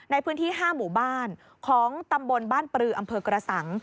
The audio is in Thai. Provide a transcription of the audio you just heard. ในพื้นที่๕หมู่บ้านของตำบลบ้านปลืออำเภอกระสัง